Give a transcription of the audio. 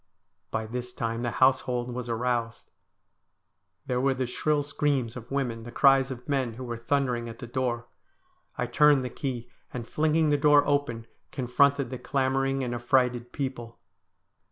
By this time the household was aroused. There were the shrill screams of women, the cries of men, who were thundering at the door. I turned the key, and, flinging the door open, confronted the clamouring and affrighted people.